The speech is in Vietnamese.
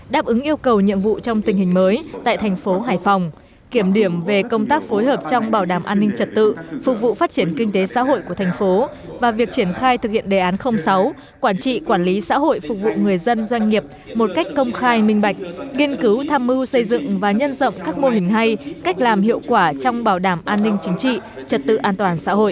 đáp ứng yêu cầu nhiệm vụ trong tình hình mới tại thành phố hải phòng kiểm điểm về công tác phối hợp trong bảo đảm an ninh trật tự phục vụ phát triển kinh tế xã hội của thành phố và việc triển khai thực hiện đề án sáu quản trị quản lý xã hội phục vụ người dân doanh nghiệp một cách công khai minh bạch nghiên cứu tham mưu xây dựng và nhân rộng các mô hình hay cách làm hiệu quả trong bảo đảm an ninh chính trị trật tự an toàn xã hội